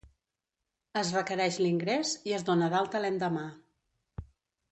Es requereix l'ingrés, i es dóna d'alta l'endemà.